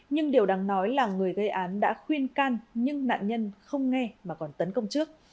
nhưng điều đáng nói là người gây án đã khuyên can nhưng nạn nhân không nghe mà còn tấn công trước